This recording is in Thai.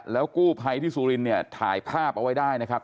แล้วกู้ภัยที่สุรินเนี่ยถ่ายภาพเอาไว้ได้นะครับ